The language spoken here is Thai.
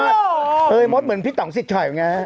เฮ้ยมทรเหมือนพี่ต่๋องสิดฉ่อยไง